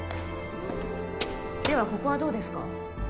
ではここはどうですか？